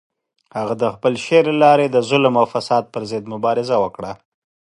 هغه د خپل شعر له لارې د ظلم او فساد پر ضد مبارزه وکړه.